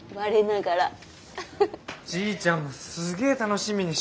じいちゃんもすげえ楽しみにしてますよ。